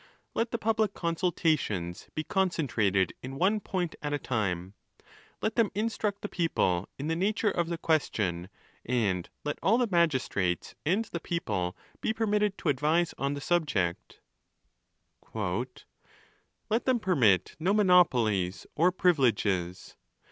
Let the public consultations be concen trated in one point at a time, let them instruct the people in the nature of the question, and let all the magistrates and the people be permitted to advise on the subject. _. "Let them permit no monopolies, or privileges.